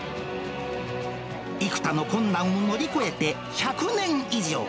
幾多の困難を乗り越えて１００年以上。